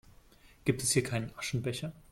Gibt es hier keinen Aschenbecher?